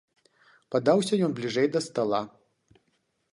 Падаўся ён бліжэй да стала.